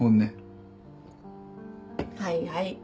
はいはい。